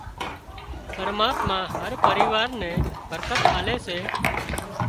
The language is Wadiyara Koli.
پرماتما هر پريوار نين برڪت آلي سي